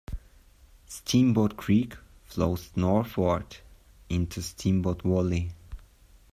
Steamboat Creek, flows northward into Steamboat Valley.